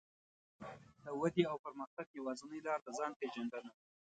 د ودې او پرمختګ يوازينۍ لار د ځان پېژندنه ده.